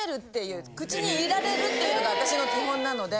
口に入れられるっていうのが私の基本なので。